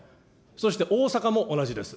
そして大阪も同じです。